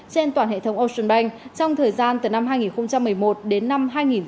trên toàn hệ thống ocean bank trong thời gian từ năm hai nghìn một mươi một đến năm hai nghìn một mươi bảy